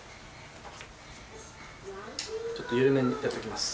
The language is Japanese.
ちょっと緩めにやっときます。